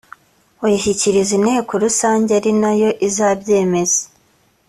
uyishyikiriza inteko rusange ari nayo izabyemeza